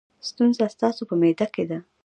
ستونزه ستاسو په معده کې ده.